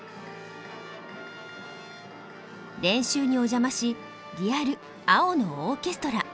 練習にお邪魔しリアル「青のオーケストラ」